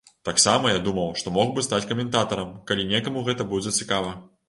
Таксама я думаў, што мог бы стаць каментатарам, калі некаму гэта будзе цікава.